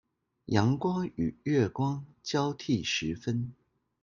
陽光與月光交替時分